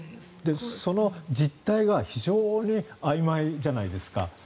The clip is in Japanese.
その実態は非常にあいまいじゃないですか。